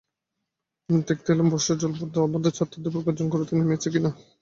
দেখতে এলেম বর্ষার জলধরপটল আমাদের ছাদের উপরে গর্জন করতে নেমেছে কি না।